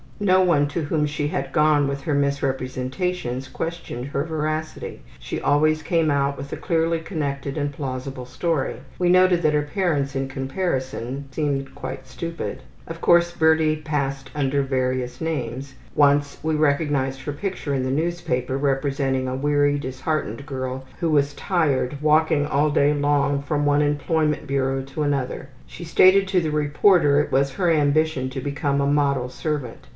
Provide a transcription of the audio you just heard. No one to whom she had gone with her misrepresentations questioned her veracity she always came out with a clearly connected and plausible story. We noted that her parents in comparison seemed quite stupid. Of course Birdie passed under various names. Once we recognized her picture in the newspaper representing a weary, disheartened girl who was tired walking all day long from one employment bureau to another. She stated to the reporter it was her ambition to become a model servant.